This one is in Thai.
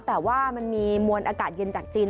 แต่ว่ามันมีมวลอากาศเย็นจากจีน